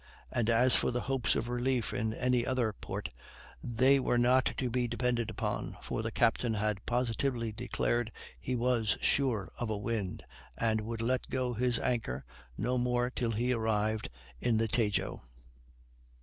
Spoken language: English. And as for the hopes of relief in any other port, they were not to be depended upon, for the captain had positively declared he was sure of a wind, and would let go his anchor no more till he arrived in the Tajo.